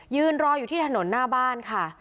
ยืนรออยู่ที่ถนนหน้าบ้านค่ะ